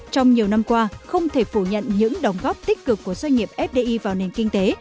trong nhiều năm qua không thể phủ nhận những đóng góp tích cực của doanh nghiệp fdi vào nền kinh tế